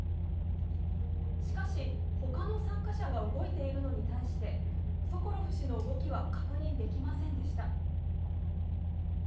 しかし、他の参加者が動いているのに対してソコロフ氏の動きは確認できませんでした。